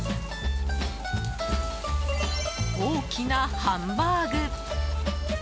大きなハンバーグ。